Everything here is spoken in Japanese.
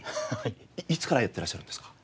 いつからやってらっしゃるんですか？